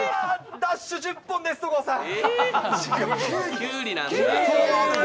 ダッシュ１０本です、戸郷さん。